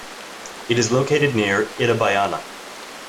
It is located near Itabaiana.